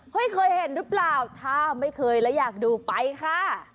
เคยเห็นหรือเปล่าถ้าไม่เคยแล้วอยากดูไปค่ะ